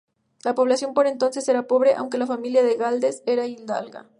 La población por entonces era pobre, aunque la familiar de Gálvez era hidalga.